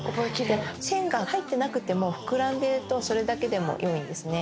で線が入ってなくても膨らんでいるとそれだけでもいいんですね。